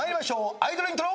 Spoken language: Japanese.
アイドルイントロ。